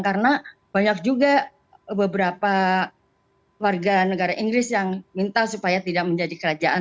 karena banyak juga beberapa warga negara inggris yang minta supaya tidak menjadi kerajaan